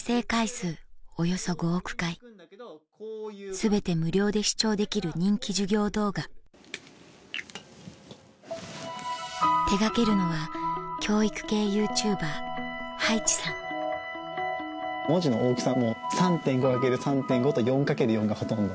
全て無料で視聴できる人気授業動画手掛けるのは文字の大きさも３．５×３．５と４×４がほとんど。